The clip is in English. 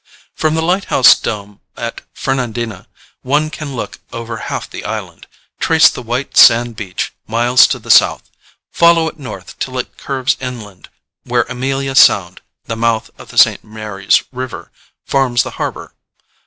From the lighthouse dome at Fernandina one can look over half the island, trace the white sand beach miles to the south follow it north till it curves inland where Amelia Sound, the mouth of the St. Mary's River, forms the harbor.